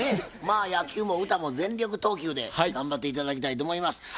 まあ野球も歌も全力投球で頑張って頂きたいと思います。